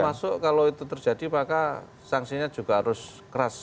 termasuk kalau itu terjadi maka sanksinya juga harus keras